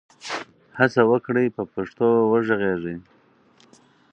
هڅه وکړئ په پښتو وږغېږئ.